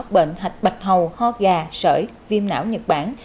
bệnh thạch bạch hầu ho gà sởi viêm não nhật bản